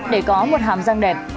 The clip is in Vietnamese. để có một hàm răng đẹp